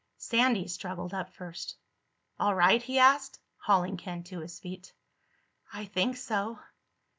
Sandy struggled up first. "All right?" he asked, hauling Ken to his feet. "I think so."